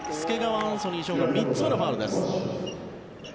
アンソニー翔が３つ目のファウルです。